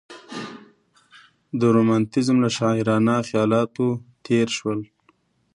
د رومانتیزم له شاعرانه خیالاتو تېر شول.